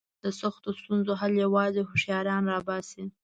د سختو ستونزو حل یوازې هوښیاران را باسي.